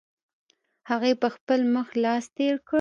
هغې په خپل مخ لاس تېر کړ.